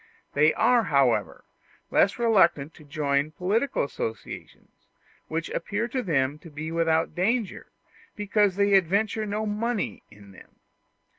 They are, however, less reluctant to join political associations, which appear to them to be without danger, because they adventure no money in them.